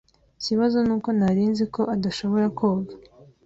Ikibazo nuko ntari nzi ko adashobora koga.